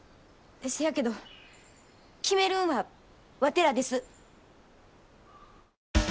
せやけど決めるんはワテらです。